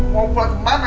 mau pulang kemana